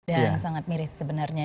dan sangat miris sebenarnya ya